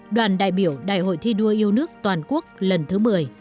đoàn đại biểu đại hội thi đua yêu nước toàn quốc lần thứ một mươi